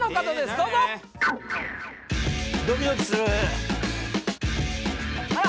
どうぞドキドキする・あら！